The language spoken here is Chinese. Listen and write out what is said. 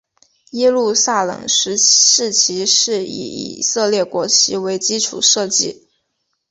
耶路撒冷市旗是以以色列国旗为基础设计。